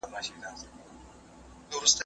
تاسي په خپلو لاسونو کي ناپاکی مه پرېږدئ.